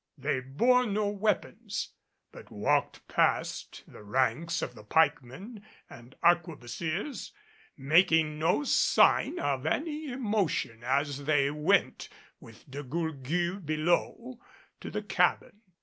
They bore no weapons, but walked past the ranks of the pikemen and arquebusiers, making no sign of any emotion as they went with De Gourgues below to the cabin.